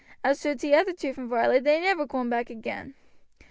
As to t'other two from Varley, they never coom back agin.